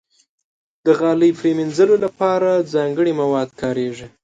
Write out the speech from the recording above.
د غالۍ مینځلو لپاره ځانګړي مواد کارېږي.